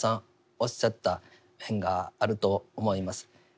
おっしゃった面があると思います。